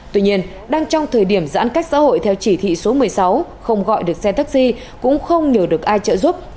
tuy nhiên đang trong thời điểm giãn cách xã hội theo chỉ thị số một mươi sáu không gọi được xe taxi cũng không nhờ được ai trợ giúp